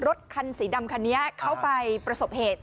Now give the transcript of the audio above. รถคันสีดำคันนี้เข้าไปประสบเหตุ